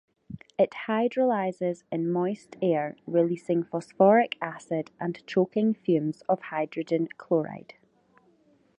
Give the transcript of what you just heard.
It hydrolyses in moist air releasing phosphoric acid and choking fumes of hydrogen chloride.